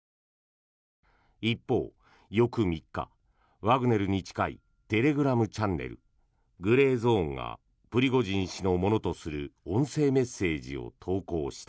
一方、翌３日ワグネルに近いテレグラムチャンネルグレーゾーンがプリゴジン氏のものとする音声メッセージを投稿した。